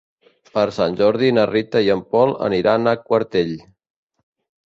Per Sant Jordi na Rita i en Pol aniran a Quartell.